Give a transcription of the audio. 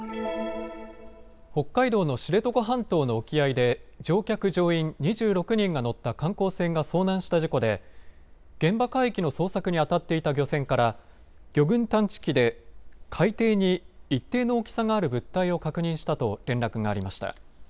北海道の知床半島の沖合で乗客・乗員２６人が乗った観光船が遭難した事故で現場海域の捜索にあたっていた漁船から魚群探知機で海底に一定の大きさがある物体を確認したと連絡がありました。